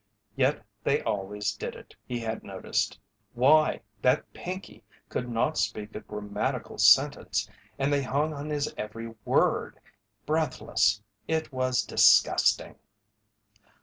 Yet they always did it, he had noticed. Why, that Pinkey could not speak a grammatical sentence and they hung on his every word, breathless. It was disgusting!